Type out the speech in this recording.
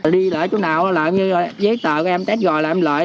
đi lợi chỗ nào là như giấy tờ ghe em test rồi là em lợi